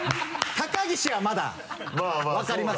高岸はまだ分かります。